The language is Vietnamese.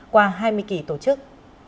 qua hai mươi kỳ tổ chức